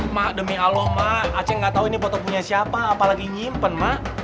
mak demi allah mak acing tidak tahu foto ini punya siapa apalagi nyimpen mak